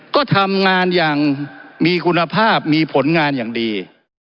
ก็ทำงานอย่างมีคุณภาพมีผลงานอย่างดี